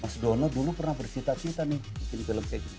mas dono dulu pernah bersita cita nih bikin film kayak gini